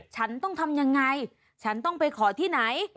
ฉันต้องทำยังไงฉันต้องไปขอที่ไหน